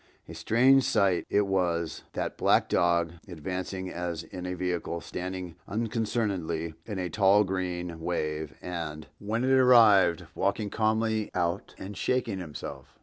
A strange sight it was—that black dog advancing as in a vehicle, standing unconcernedly in a tall green wave and, when it arrived, walking calmly out and shaking himself!